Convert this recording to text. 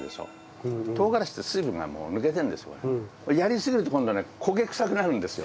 やりすぎると今度ね焦げくさくなるんですよ。